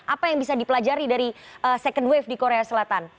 apa yang bisa dipelajari dari second wave di korea selatan